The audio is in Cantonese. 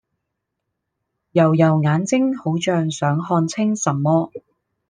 揉揉眼睛好像想看清什麼